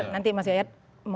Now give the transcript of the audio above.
nanti mas yayat